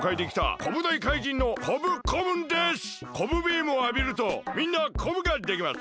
コブビームをあびるとみんなコブができます。